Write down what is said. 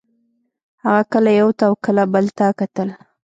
هغه کله یو ته او کله بل ته کتل